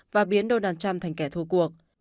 và biến donald trump thành kẻ thua cuộc